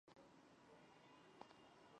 萨森豪森是德国图林根州的一个市镇。